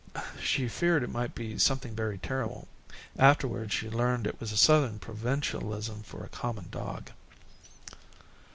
She feared it might be something very terrible. Afterwards she learned that it was a Southern provincialism for a common dog.